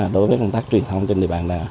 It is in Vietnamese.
đối với công tác truyền thông trên địa bàn